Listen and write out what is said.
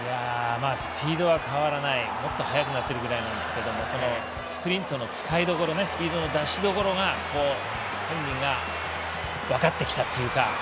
スピードはもっと速くなっているぐらいなんですけど、スプリントの使い方スピードの出しどころが分かってきたというか。